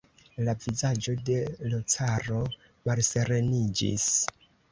La vizaĝo de l' caro malsereniĝis.